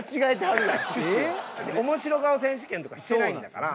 おもしろ顔選手権とかしてないんだから。